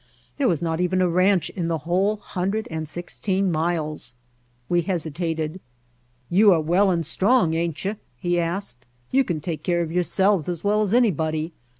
There was not even a ranch in the White Heart of Mojave whole hundred and sixteen miles. We hesitated. "You are well and strong, ain't you?" he asked. "You can take care of yourselves as well as anybody.